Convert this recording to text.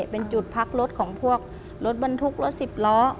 เป็นจุดพักรถของพวกรถบรรทุกรถสิบล้อ